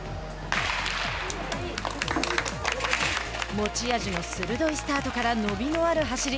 持ち味の鋭いスタートから伸びのある走り。